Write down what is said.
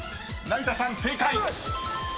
［成田さん正解］